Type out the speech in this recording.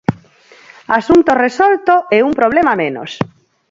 Asunto resolto e un problema menos.